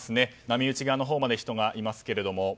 波打ち際のほうまで人がいますけれども。